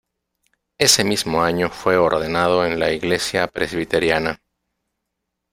Ese mismo año fue ordenado en la Iglesia Presbiteriana.